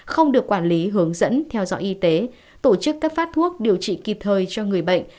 không được quản lý hướng dẫn theo dõi y tế tổ chức cấp phát thuốc điều trị kịp thời cho người bệnh